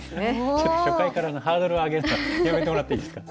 ちょっと初回からハードル上げるのはやめてもらっていいですか？